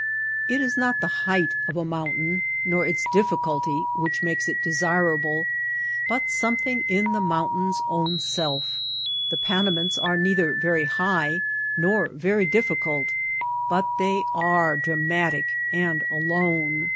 It is not the height of a mountain nor its dif ficulty which makes it desirable, but something in the mountain's own self. The Panamints are neither very high nor very difficult, but they are dramatic and alone.